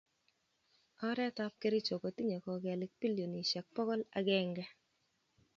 oret ab kericho kotinye kokelik bilionishek pokol agenge